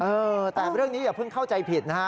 เออแต่เรื่องนี้อย่าเพิ่งเข้าใจผิดนะฮะ